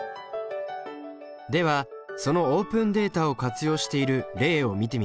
ではそのオープンデータを活用している例を見てみましょう。